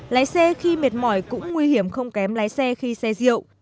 lái xe khi mệt mỏi cũng nguy hiểm không kém lái xe khi xe rượu